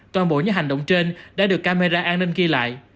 toàn bộ những hành động trên đã được camera an ninh ghi lại